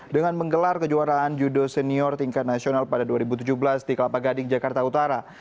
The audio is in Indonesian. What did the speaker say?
dengan menggelar kejuaraan judo senior tingkat nasional pada dua ribu tujuh belas di kelapa gading jakarta utara